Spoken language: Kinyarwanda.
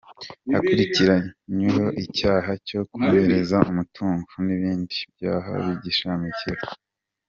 Akurikiranyweho icyaha cyo kunyereza umutungo n’ ibindi byaha bigishamikiyeho".